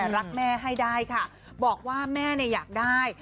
รักแม่ให้ได้ค่ะบอกว่าแม่เนี่ยอยากได้